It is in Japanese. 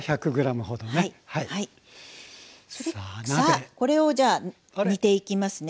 さあこれをじゃ煮ていきますね。